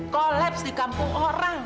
kolaps di kampung orang